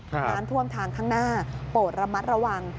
น้ำท่วมทางข้างหน้าโปรดระมัดระวัง